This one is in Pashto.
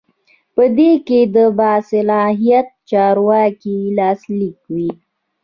په دې کې د باصلاحیته چارواکي لاسلیک وي.